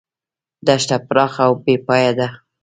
دښته پراخه او بې پایه ده.